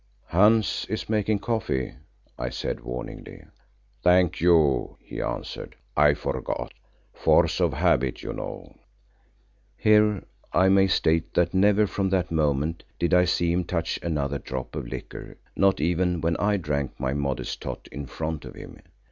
"Hans is making coffee," I said warningly. "Thank you," he answered, "I forgot. Force of habit, you know." Here I may state that never from that moment did I see him touch another drop of liquor, not even when I drank my modest tot in front of him.